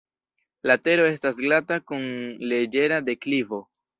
La tero estas glata kun leĝera deklivo.